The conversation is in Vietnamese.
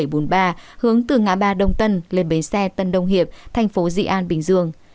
dt bảy trăm bảy mươi bảy hướng từ ngã ba đông tân lên bến xe tân đông hiệp thành phố di an bình dương